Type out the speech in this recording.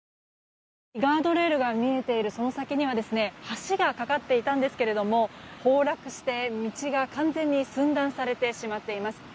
ガードレールが見えているその先には橋が架かっていたんですけれども崩落して、道が完全に寸断されてしまっています。